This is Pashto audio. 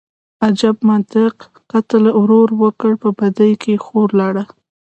_اجب منطق، قتل ورور وکړ، په بدۍ کې يې خور لاړه.